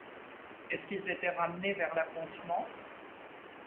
Est-ce qu’ils étaient ramenés vers l’appontement?...